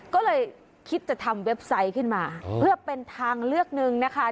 ก็เลยคิดจะทำเว็บไซต์ขึ้นมาเพื่อเป็นทางเลือกหนึ่งนะคะ